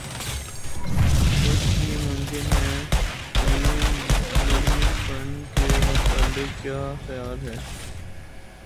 کچھ بھِی ممکن ہے نیو گِنی فنڈ کے متعلق کِیا خیال ہے